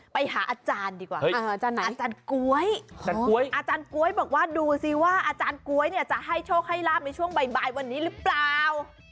ไปหาอาจารย์ดีกว่าอาจารย์ก๊วยอาจารย์ก๊วยอาจารย์ก๊วยบอกว่าดูสิว่าอาจารย์ก๊วยเนี่ยจะให้โชคให้ลาบในช่วงบ่ายวันนี้หรือเปล่า